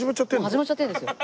始まっちゃってるんですよ。